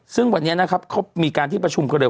ซึ่งวันนี้นะครับเขามีการที่ประชุมกันเลย